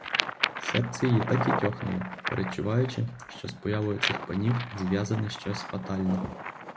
Серце її так і тьохнуло, передчуваючи, що з появою цих панів зв'язане щось фатальне.